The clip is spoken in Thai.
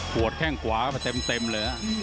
ปวดแข้งขวาเต็มเลยนะ